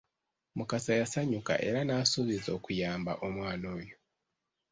Mukasa yasanyuka era n'asuubiza okuyamba omwana oyo.